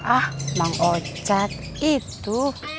ah mang ocat itu